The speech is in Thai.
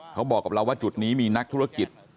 เขาบอกกับเราว่าจุดนี้มีนักธุรกิจ